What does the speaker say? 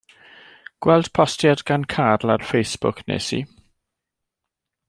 Gweld postiad gan Carl ar Facebook, wnes i.